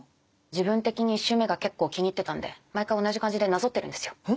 自分的に１周目が結構気に入ってたんで毎回同じ感じでなぞってるんですよ。